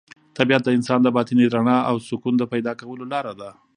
طبیعت د انسان د باطني رڼا او سکون د پیدا کولو لاره ده.